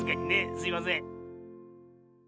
すいません。